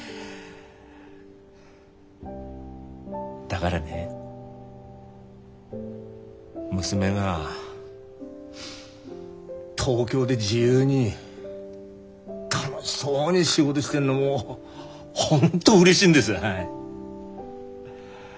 だがらね娘が東京で自由に楽しそうに仕事してんのもう本当うれしいんです。